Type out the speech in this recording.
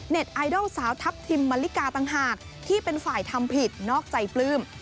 ไอดอลสาวทัพทิมมะลิกาต่างหากที่เป็นฝ่ายทำผิดนอกใจปลื้ม